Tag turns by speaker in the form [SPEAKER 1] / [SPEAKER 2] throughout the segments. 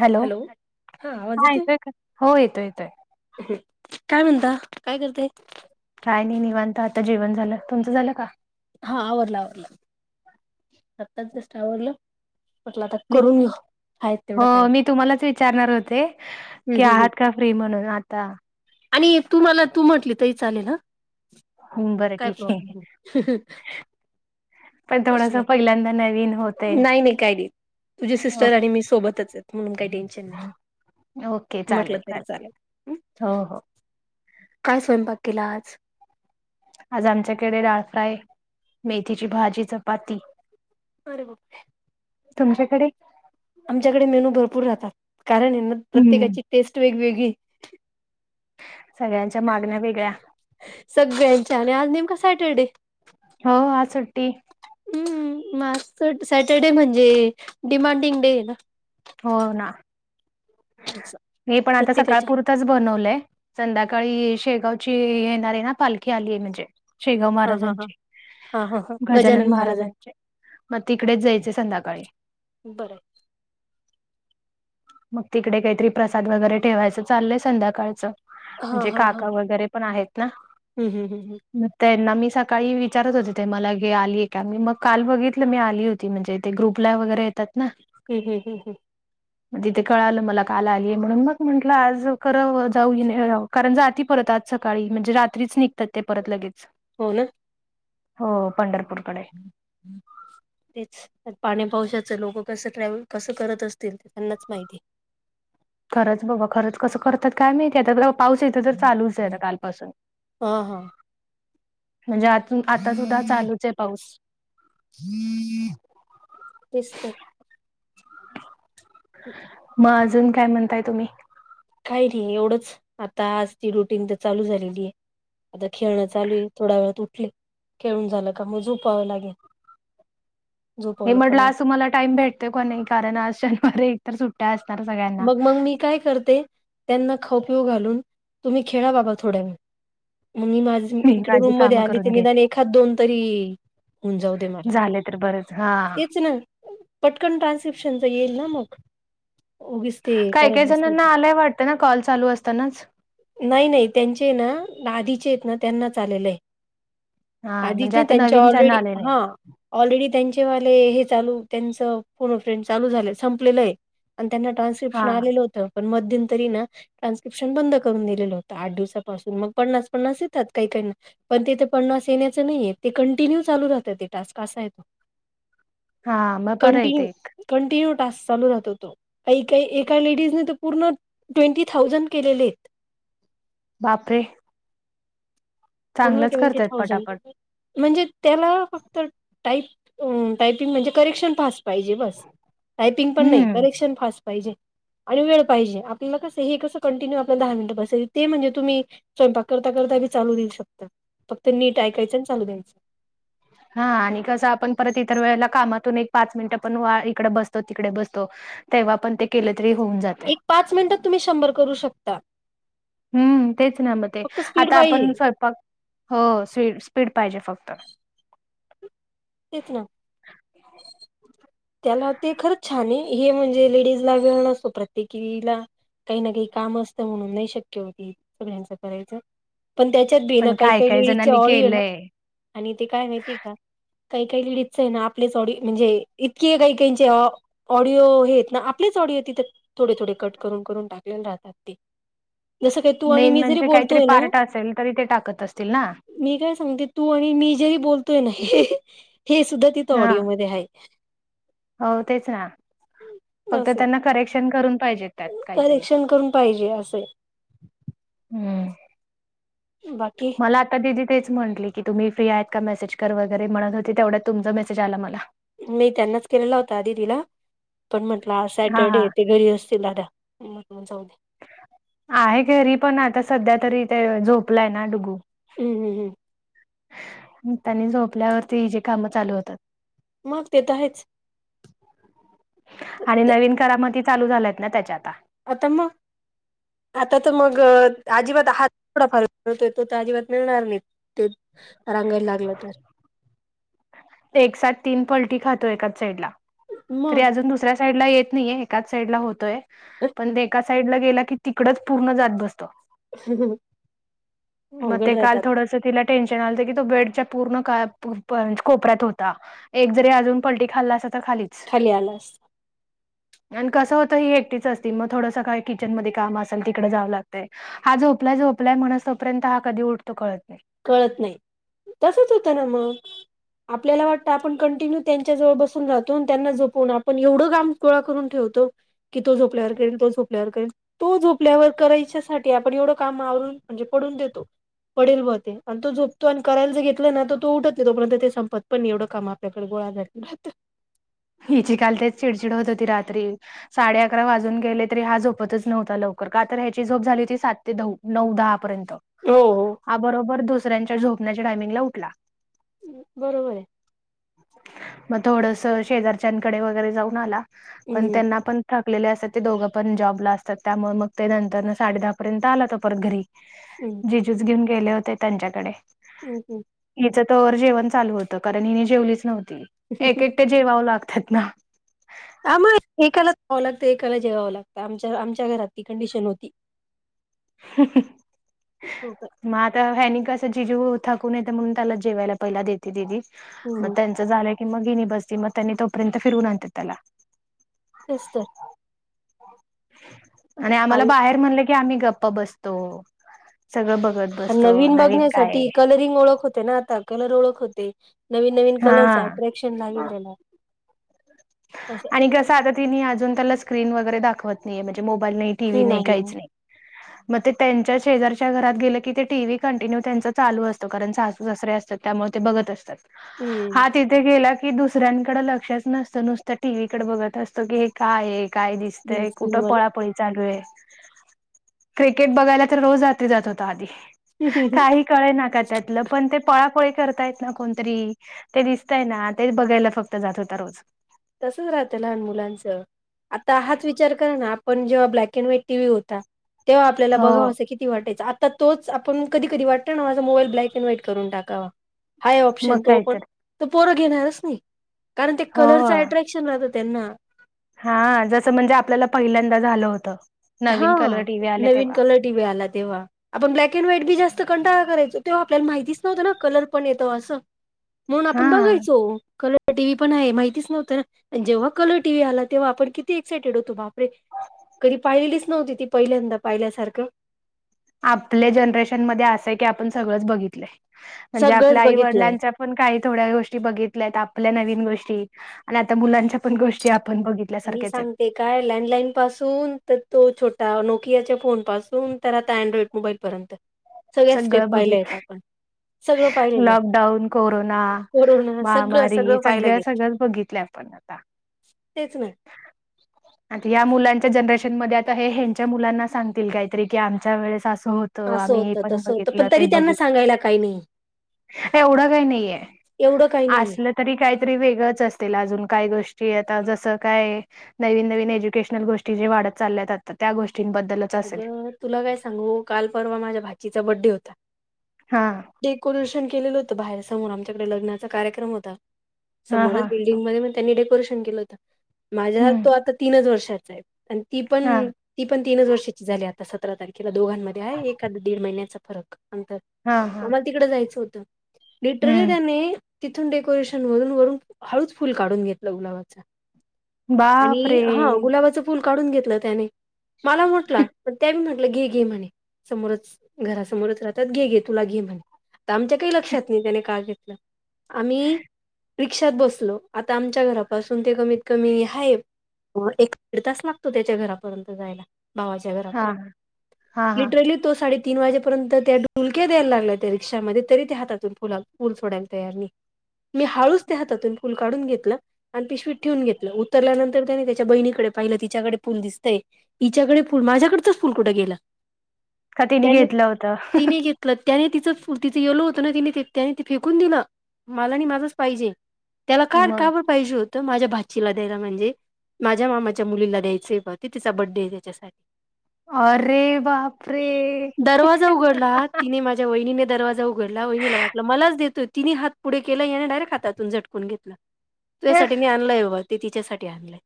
[SPEAKER 1] Hello हा येतोय का? हो येतोय येतोय.
[SPEAKER 2] काय म्हणता काय करते?
[SPEAKER 1] काय नाही निवांत आता जेवण झालं. तुमचं झालं का?
[SPEAKER 2] हा आवरला आवरला. आत्ताच जास्ट आवरलं. म्हटलं आता
[SPEAKER 1] मी
[SPEAKER 2] करून. आहेत
[SPEAKER 1] हो
[SPEAKER 2] तेवढा टाइम
[SPEAKER 1] मी तुम्हालाच विचारणार होते की,
[SPEAKER 2] हम् हम् हम
[SPEAKER 1] आहात का फ्री म्हणून आता.
[SPEAKER 2] आणि तु मला तू म्हटली तरी चालेल हा
[SPEAKER 1] बरं
[SPEAKER 2] काय
[SPEAKER 1] ठीक आहे
[SPEAKER 2] प्रॉब्लेम नाही
[SPEAKER 1] पण थोडस पहिल्यांदा नवीन होते
[SPEAKER 2] नाही नाही काय नाही तुझी सिस्टर आणि मी सोबतच आहे. म्हणून काही टेन्शन नाही
[SPEAKER 1] ओके
[SPEAKER 2] म्हटलं
[SPEAKER 1] चालेल
[SPEAKER 2] तरी चालेल.
[SPEAKER 1] हो हो
[SPEAKER 2] काय स्वयंपाक केला आज?
[SPEAKER 1] आज आमच्याकडे डाळफ्राय मेथीची भाजी चपाती.
[SPEAKER 2] अरे बाप रे.
[SPEAKER 1] तुमच्याकडे?
[SPEAKER 2] आमच्याकडे मेनू भरपूर राहतात कारण
[SPEAKER 1] हम्म
[SPEAKER 2] प्रत्येकाची टेस्ट वेगवेगळीये.
[SPEAKER 1] सगळ्यांच्या मागण्या वेगळ्या.
[SPEAKER 2] सगळ्यांच्या आणि आज नेमका सॅटरडे.
[SPEAKER 1] हो आज सुट्टी
[SPEAKER 2] हम्म मग आज तर सॅटरडे म्हणजे डिमांडिंग डे आहे ना.
[SPEAKER 1] हो ना
[SPEAKER 2] त्याचा.
[SPEAKER 1] मी पण आता सकाळ
[SPEAKER 2] प्रत्येकाच्या
[SPEAKER 1] पुर. तच बनवलंय संध्याकाळी शेगावची येणार आहे ना पालखी आली आहे म्हणजे. शेगाव
[SPEAKER 2] हा हा हा
[SPEAKER 1] महाराजांची.
[SPEAKER 2] हा हा हा
[SPEAKER 1] गजानन
[SPEAKER 2] महाराज आहे
[SPEAKER 1] महाराजांचे मग तिकडेच जायच आ संध्याकाळी.
[SPEAKER 2] बरंय
[SPEAKER 1] मग तिकडे काहीतरी प्रसाद वगैरे ठेवायचं चाललंय संध्याकाळचं. म्हणजे काका वगैरे पण आहेत ना
[SPEAKER 2] हम् हम हम ह्म
[SPEAKER 1] मग त्यांना मी सकाळी विचारत होते ते मला गे आली आहे का मी मग काल बघितलं मी आली होती. ती म्हणजे ते ग्रुपला वगैरे येतात ना.
[SPEAKER 2] हम् हम हं ह्म
[SPEAKER 1] तिथे कळालं मला काल आलीय म्हणून मग म्हटलं आज कराव जाऊ नि राव. कारण जाती परत आज सकाळी म्हणजे रात्रीच निघ तर ते परत लगेच
[SPEAKER 2] हो ना
[SPEAKER 1] हो पंढरपूरकडे
[SPEAKER 2] तेच तर पाणी पावसाच लोक कसं ट्रॅव्हल कसं करत असतील ते त्यांनाच माहिती.
[SPEAKER 1] खरंच बघा खरंच कसं करतात काय माहिती आता पाऊस इथ तर चालूच आहे आता कालपासुन
[SPEAKER 2] हा हा
[SPEAKER 1] म्हणजे आ आता सुद्धा चालूच आहे पाऊस हम्म [unintelligible]
[SPEAKER 2] तेच तर ह [inaudible]
[SPEAKER 1] मग अजून काय म्हणताय तुम्ही?
[SPEAKER 2] काय नाही एवढंच आता आज त रुटीन तर चालू झालेली आहे आता खेळणं चालू आहे थोडा वेळात उटली खेळून झालं का मग झोपावं लागेल
[SPEAKER 1] मी
[SPEAKER 2] झोपवलं का
[SPEAKER 1] म्हटलं
[SPEAKER 2] मग
[SPEAKER 1] आज तुम्हाला टाइम भेटतोय काय नाही कारण आज शनिवारी आहे एकतर सुट्ट्या असणार सगळ्यांना
[SPEAKER 2] ती काय करते? त्यांना खाऊ पिऊ घालून तुम्ही खेळा बाबा थोडा वेळ मग मी माझ
[SPEAKER 1] मी
[SPEAKER 2] इकडे
[SPEAKER 1] माझी
[SPEAKER 2] रूम मध्ये
[SPEAKER 1] कामं
[SPEAKER 2] आली ते
[SPEAKER 1] करून घेते
[SPEAKER 2] निदान एखाद दोन तरी होऊन जाऊ दे
[SPEAKER 1] झाले तर बरंच हा
[SPEAKER 2] तेच ना पटकन ट्रान्स्क्रिप्शनच येईल ना मग उगीच ते
[SPEAKER 1] काही
[SPEAKER 2] करत
[SPEAKER 1] काही
[SPEAKER 2] बसले
[SPEAKER 1] जणांना
[SPEAKER 2] तर
[SPEAKER 1] आलाय वाटतं ना कॉल चालू असतानाच
[SPEAKER 2] नाही नाही त्यांचे ना आधीचे आहेत ना त्यांनाच आलेले आहे
[SPEAKER 1] हा म्हणजे
[SPEAKER 2] आधिचे
[SPEAKER 1] आता
[SPEAKER 2] त्यांचे
[SPEAKER 1] नवीन ज्यांना
[SPEAKER 2] ऑलरेडी
[SPEAKER 1] आले नाही
[SPEAKER 2] हा. ऑलरेडी त्यांचे वाले हे चालू त्यांचं फोन अ फ्रेंड चालू झालं संपलेलं आहे. आणि त्यांना
[SPEAKER 1] हा
[SPEAKER 2] ट्रान्स्क्रिप्शन आलेलं होतं पण मध्यांतरीना ट्रान्स्क्रिप्शन बंद करून दिलेलं होतं आठ दिवसापासून मग पन्नास, पन्नास येतात काही, काही ना. पण तिथे पन्नास येण्याचं नाहीये ते कंटिन्यू चालू राहतात ते टास्क अस आहेते.
[SPEAKER 1] हा मग बर आहे ते एक.
[SPEAKER 2] कंटिन्यू टास्क चालू राहतो तो. काही काही एका लेडीजने तर पूर्ण ट्वेन्टी थाउजंड केलेलेत.
[SPEAKER 1] बापरे.
[SPEAKER 2] पूर्ण
[SPEAKER 1] चांगलंच
[SPEAKER 2] ट्वेन्टी
[SPEAKER 1] करतायत पटापट
[SPEAKER 2] थाउजंड म्हणजे त्याला फक्त टाईप टायपिंग म्हणजे करेक्शन फस्ट पाहिजे बस टायपिंग पण नाही
[SPEAKER 1] हम्म
[SPEAKER 2] करेक्शन फास्ट आणि वेळ पाहिजे आपल्याला कस हे कस कंटिन्यू आपल्याला दहा मिनिट बसायच ते म्हणजे तुम्ही स्वयंपाक करता, करता बी चालू देईल शकतात फक्त नीट ऐकायचं आणि चालू द्यायच.
[SPEAKER 1] हा आणि कसं आपण परत इतर वेळेला कामातून एक पाच मिनिटं पण वा इकडे बसतो, तिकडे बसतो. तेव्हा पण ते केले तरी होऊन जाते.
[SPEAKER 2] एक पाच मिनिटात तुम्ही शंभर करू शकता.
[SPEAKER 1] हम्म तेच ना मग ते
[SPEAKER 2] फक्त स्पीड
[SPEAKER 1] आता आपण
[SPEAKER 2] पाहिजे
[SPEAKER 1] स्वयंपाक हो स्विट, स्पीड पाहिजे फक्त.
[SPEAKER 2] तेच ना. त्याला ते खरंच छान आहे हे म्हणजे लेडीज ला वेळ न असतो प्रत्येकीला काही ना काही काम असतं म्हणून नाही शक्य होती सगळ्यांचं करायचं. पण त्याच्यात भी ना
[SPEAKER 1] पण
[SPEAKER 2] काही,
[SPEAKER 1] काय
[SPEAKER 2] काही
[SPEAKER 1] काय
[SPEAKER 2] लेडीजचे
[SPEAKER 1] जणांनी
[SPEAKER 2] ऑडिओ ना
[SPEAKER 1] केलंय
[SPEAKER 2] आणि ते काय माहितीय आहे का काही, काही लिडितच आहे ना आपलेच ऑडी म्हणजे इतके काही, काहीचे ऑडिओ हे आहेत ना आपलेच ऑडिओ तिथे थोडे, थोडे कट करून, करून टाकलेले राहतात ते. जसं काही तू आणि
[SPEAKER 1] मेन
[SPEAKER 2] मी जरी
[SPEAKER 1] म्हणजे काहीतरी
[SPEAKER 2] बोलतोय ना
[SPEAKER 1] पार्ट असेल तरी ते टाकत असतील ना?
[SPEAKER 2] मी काय सांगते तू आणि मी जेही बोलतोयना हे सुद्धा तिथं
[SPEAKER 1] हा
[SPEAKER 2] ऑडीयो मध्ये आहे.
[SPEAKER 1] हो तेच ना. फक्त
[SPEAKER 2] असे
[SPEAKER 1] त्यांना करेक्शन करून पाहिजेत त्यात काहीतरी
[SPEAKER 2] करेक्शन करून पाहिजे असंय
[SPEAKER 1] हम्म.
[SPEAKER 2] बाकी?
[SPEAKER 1] मला आता दिदी तेच म्हटले की तुम्ही फ्री आहेत का मॅसेज कर वगैरे म्हणत होती तेवढ्यात तुमचा मॅसेज आला मला.
[SPEAKER 2] मी त्यांनाच केलेला होता आधी दिदीला पण म्हंटलं हा सॅटर्डे हाय ते घरी अस तिला दादा जाऊदे.
[SPEAKER 1] आहे घरी पण आता सध्या तरी ते झोपलाय ना डुगू.
[SPEAKER 2] हम्म, हम्म, हम्म.
[SPEAKER 1] त्यांनी झोपल्यावरती ही जे कामं चालू होतात.
[SPEAKER 2] मग ते तर आहेच.
[SPEAKER 1] आणि
[SPEAKER 2] ते
[SPEAKER 1] नवीन करामती चालू झाल्यात ना त्याच्यात.
[SPEAKER 2] आता मग आता तर मग आजिबात हात थोडा फारतोय तोय अजिबात मिळणार नाही ते रांगायला लागलं तर
[SPEAKER 1] एक साथ तीन पलटी खातो एकाच साईडला तरी
[SPEAKER 2] मग
[SPEAKER 1] अजून दुसऱ्या साईडला येत नाहीये. एकाच साईड ला होतोय पण ते एका साईड ला गेला की तिकडच पूर्ण जात बसतो. मग ते
[SPEAKER 2] अवघड
[SPEAKER 1] काल
[SPEAKER 2] राहतात
[SPEAKER 1] थोडस तिला टेंशन आलत की तो बेडच्या पूर्ण का कोपऱ्यात होता एक जरी अजून पलटी खाल्ला असा तर खालीच.
[SPEAKER 2] खली आला असता.
[SPEAKER 1] [inaudible] आणि कसं होतं ही एकटीच असतील मग थोडंसं काय किचन मध्ये काम असेल तिकडे जाव लागतय. हा झोपलाय, झोपलाय म्हणस तोपर्यंत हा कधी उठतो कळत नाही.
[SPEAKER 2] कळत नाही तसच होतं ना मग. आपल्याला वाटतं आपण कंटिन्यू त्यांच्या जवळ बसून राहतो त्यांना जपून आपण एवढं काम गोळा करून ठेवतो की तो झोपल्यावर करेल तो झोपल्यावर करेल. तो झोपल्यावर करायच्यासाठी आपण एवढं काम आवरून म्हणजे पडून देतो पडेल भत आणि तो झोपतो आणि करायला जे घेतलं ना तर तो उठत नाही तोर्यंत ते संपत पण एवढं काम आपल्याकडे गोळाला बत [inaudible]
[SPEAKER 1] हिची काल तेच चिडचिड होत होती रात्री. साडे अकरा वाजून गेले तरी हा झोपतच नव्हता लवकर का तर ह्याची झोप झाली होती सात ते नऊ दहापर्यंत.
[SPEAKER 2] हो हो.
[SPEAKER 1] हां बरोबर दुसऱ्यांच्या झोपण्याच्या टायमिंगला उठला.
[SPEAKER 2] बरोबर आहे
[SPEAKER 1] मग थोडस शेजारच्याकडे वगैरे जाऊन आला पण
[SPEAKER 2] हम्म
[SPEAKER 1] त्यांना पण थकलेले असतात ते दोघं पण जॉब ला असतात त्यामुळे मग ते नंतरन साडे दहा पर्यंत आला तर परत घरी.
[SPEAKER 2] हम्म
[SPEAKER 1] जिजूस घेऊन गेले होते त्यांच्याकडे
[SPEAKER 2] हम् हम्
[SPEAKER 1] हिचं तर जेवण चालू होतं कारण हिने जेवलीच नव्हती एक एकटे जेवावं लागतात ना.
[SPEAKER 2] आम एकाला जावं लागतं एकाला जेवावं लागतं आमच्या आमच्या घरात ती कंडिशन होती.
[SPEAKER 1] ह
[SPEAKER 2] हो का
[SPEAKER 1] [inaudible] मग आता ह्यानी कसं जिजू थकून येतं म्हणून त्याला जेवायला पहिला देते दिदी
[SPEAKER 2] हम्म.
[SPEAKER 1] मग त्यां झालं की मग हिणी बसते मग त्यांनी तोपर्यंत फिरून आणते त्याला.
[SPEAKER 2] तेच तर
[SPEAKER 1] आणि आम्हाला
[SPEAKER 2] आई
[SPEAKER 1] बाहेर म्हणलं की आम्ही गप्प बसतो सगळं बघत. बसतो
[SPEAKER 2] नवीन
[SPEAKER 1] काय
[SPEAKER 2] बघण्यासाठी
[SPEAKER 1] आहे.
[SPEAKER 2] कलरिंग ओळख होते ना आता कलर ओळख होते नवीन नवीन कलरच
[SPEAKER 1] हा.
[SPEAKER 2] अट्रॅक्शन लागेलय.
[SPEAKER 1] आणि कसं आता ति अजून त्याला स्क्रीन वगैरे दाखवत नाहीे म्हणजे मोबाईल नाही टी व्ही नाही काहीच नाही मग ते त्यांच्या शेजारच्या घरात गेलं की ते टीव्ही कंटिन्यू त्यांच चालू असतो कारण सासू ससर असतात. त्यामुळे ते बघत असतात
[SPEAKER 2] हम्म
[SPEAKER 1] हा तिथे गेला की दुसऱ्यांकडे लक्षच नसत. नुसतं टीव्ही कडे बघत असतो की हे काय आहे काय
[SPEAKER 2] ग्रीन
[SPEAKER 1] दिसतय
[SPEAKER 2] स्क्रीन
[SPEAKER 1] कुठं
[SPEAKER 2] वर
[SPEAKER 1] पळापळी चालू आहे. क्रिकेट बघायला तर रोज रात्री जात होता आधी काही कळे ना का त्यातलं. पण ते पळापळी करतायत ना कोणतरी ते दिसतय ना तेच बघायला फक्त जात होता रोज.
[SPEAKER 2] तसच राहतं लहान मुलांच आता हाच विचार कर ना पण जेव्हा black and white T V होता तेव्हा आपल्याला
[SPEAKER 1] हो
[SPEAKER 2] बघाव असं कि वाटायचं आता तोचण कधी वाटतो ना माझ मोबाईल ब्लॅक अड व्हाईट करून टाकावा. हाय
[SPEAKER 1] मग
[SPEAKER 2] ऑप्शन तो पण
[SPEAKER 1] काहीतरी
[SPEAKER 2] त पोरं घेणारच नाही कारण ते
[SPEAKER 1] हो
[SPEAKER 2] कलरचा न राहात त्यांना.
[SPEAKER 1] हा जसं म्हणजे आपल्याला पहिल्यांदा झालं होतं नवीन कलर टी व्ही आले तेव्हा.
[SPEAKER 2] टी व्ही आला तेव्हा. आपण ब्लॅक अँड व्हाईट बी जास्त कंटळा करायचो तो आपल्याला माहितीच नव्हतं ना कलर पण येतो असं. म्हणून आपण
[SPEAKER 1] हा
[SPEAKER 2] बघायचो क टीव्ही पण आहे माहितीच नव्हतं ना जेव्हा कलर टीव्ही आला तेव्हा आपण किती एक्सायटेड होतो बापरे. कधी पाहिलेलीच नव्हती ती पहिल्यांदा पाहिल्यासारखं.
[SPEAKER 1] आपल्या जनरेशन मध्ये असंय की आपण सगळंच बघितलंय म्हणजे
[SPEAKER 2] सगळंच
[SPEAKER 1] आपल्या आई
[SPEAKER 2] बघितलंय.
[SPEAKER 1] वडिलांच्या पण काही थोड्या गोष्टी बघितल्या आपल्या नवीन गोष्टी आणि आता मुलांच्या पण गोष्टी आपण बघित
[SPEAKER 2] मी सांग ते काय लँडलाईनपासून तर तो छोटा नोकियाच्या फोनपासून तर आता अँड्रॉइड मोबाईलपर्यंत त्त [inaudible]
[SPEAKER 1] संगळ बघित
[SPEAKER 2] सगळं पाहिलेलं आहे.
[SPEAKER 1] लॉकडाऊन, कोरोना,
[SPEAKER 2] कोरोना सगळं,
[SPEAKER 1] महामारी
[SPEAKER 2] सगळं पाहिलं
[SPEAKER 1] सगळ्या
[SPEAKER 2] गेलं.
[SPEAKER 1] सगळ्याच बघितल्या. पण आता
[SPEAKER 2] तेचना.
[SPEAKER 1] [inaudible] आता या मुलांच्या जनरेशन मध्ये आता हे हच्या मुलांना सांगतील काहीतरी की आमच्या वेळेस असं होत त
[SPEAKER 2] असं
[SPEAKER 1] आम्ही
[SPEAKER 2] होतं तसं होतं पण
[SPEAKER 1] बघितलं
[SPEAKER 2] तरी
[SPEAKER 1] ते
[SPEAKER 2] त्यांना
[SPEAKER 1] बघितलं
[SPEAKER 2] सांगायला काही नाही
[SPEAKER 1] एवढ काही नाही ये
[SPEAKER 2] एवढं काही नाहीये.
[SPEAKER 1] असलं तरी काहीतरी वेगळंच असतील अजून काय गोष्टी आता जसं काय नवीन, नवीन एज्युकेशनल गोष्टी जे वाढत चालल्या जातात त्या गोष्टींबद्दल
[SPEAKER 2] अगं तुला काय सांगू काल परवा माझ्या भाचीचा बड्डे होता
[SPEAKER 1] हा
[SPEAKER 2] डेकोरेशन केलेलं होतं बाहेर समोर आमच्याकडे लग्नाचा कार्यक्रम होता
[SPEAKER 1] हा
[SPEAKER 2] समोरच
[SPEAKER 1] हा
[SPEAKER 2] बिल्डिंगमध्ये मग त्यांनी डेकोरेशन केलं होत माझ्या ह
[SPEAKER 1] हम्म
[SPEAKER 2] तो आता तीनच वर्षाचा आहे आणि ती पण
[SPEAKER 1] हा
[SPEAKER 2] ती पण तीनच वर्षाची झाली आता सतरा तारीख केला दोघांमध्ये आहे एखा दीड महिन्याचा फरक अंतर
[SPEAKER 1] हा, हा
[SPEAKER 2] तिकड जायचं होतं लिटरली
[SPEAKER 1] हम्म
[SPEAKER 2] त्यानी तिथून डेकोरेशन वरून, वरून हळूच फुल काढून घेतलं गुलाबाच आणि
[SPEAKER 1] बापरे
[SPEAKER 2] हा गुलाबाच फुल काढून घेतलं त्याने मला म्हटला मी म्हटलं घे, घे म्हणे समोरच घरासमोरच राहतात घे गे तुला घे म्हणे आता आमच्या काही लक्षात नाही त्याने का घेतलं आम्ही रिक्षात बसलो आता आमच्या घरापासून ते कमीत कमी हाये एक दीड तास लागतो त्याच्या घरापर्यंत जायला भावाच्या
[SPEAKER 1] हा
[SPEAKER 2] घरापर्यंत
[SPEAKER 1] हा हा
[SPEAKER 2] लिटरली तो साडे तीन वाजेपर्यंत त्या ढुलक्या द्यायला लागला त्या रिक्षामध्ये तरी त्या हातातून फु फुल सोडायला तयार नाही मी हाळूच त्या हातातून फुल काढून घेतलं आणि पिशवीत ठेवून घेतलं उतरल्यानंतर त्याने त्याच्या बहिणीकडे पाहिलं तिच्याकडे फुल दिसतय इच्याकडे ल माझ्याकडच फुल कुठे गेला
[SPEAKER 1] का तिने
[SPEAKER 2] त्याने
[SPEAKER 1] घेतलं होतं
[SPEAKER 2] तिने घेत क त्याने तिचं तिचं येेलो होतं ना तिने त्याने त फेकून दिलं मला आणि माझंच पाहिजे त्याला का
[SPEAKER 1] मग
[SPEAKER 2] कावर पाहिजे होतं माझ्या भाचीला द्यायला म्हणजे माझ्या मामाच्या मुलीला द्यायचंय ब ते तिचा बड्डे आहे त्याच्यासाठी
[SPEAKER 1] अरे बाप रे
[SPEAKER 2] दरवाजा उघडला तिने माझ्या मा्या वहिनीने दरवाजा उघडला वहिनीला वाटला मलाच देतो तिनी हात पुढे केला याने डायरेट हातून झटकून घेतल तुझ्यासाठी मी आणलय ब ते तिच्यासाठी आणलंय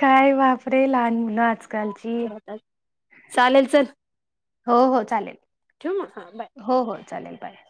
[SPEAKER 1] काय वापरे लहान मुलं आज
[SPEAKER 2] चालेल चल
[SPEAKER 1] हो, हो चालेल
[SPEAKER 2] ठेवू मग हा बाय
[SPEAKER 1] हो, हो चालेल बाय